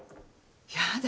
やだ